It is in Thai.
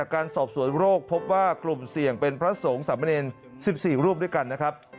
การสอบสวนโรคพบว่ากลุ่มเสี่ยงเป็นพระสงฆ์สามเณร๑๔รูปด้วยกันนะครับ